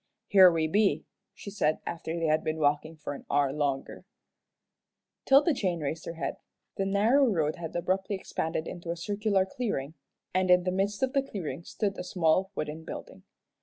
"Here we be," she said, after they had been walking for an hour longer. 'Tilda Jane raised her head. The narrow road had abruptly expanded into a circular clearing, and in the midst of the clearing stood a small wooden building.